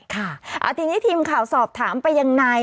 ค่ะทีนี้ทีมข่าวสอบถามไปยังนาย